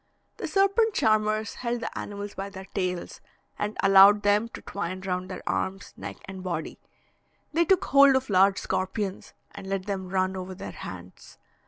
The serpent charmers held the animals by their tails, and allowed them to twine round their arms, neck, and body; they took hold of large scorpions, and let them run over their hands.